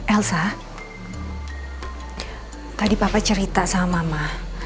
elsa tadi papa cerita sama mama